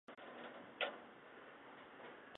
埃尔谢克豪尔毛。